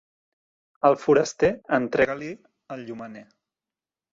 Al foraster, entrega-li el llumener.